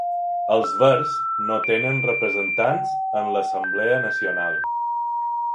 Els Verds no tenen representants en l'Assemblea Nacional.